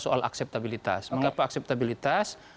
soal akseptabilitas mengapa akseptabilitas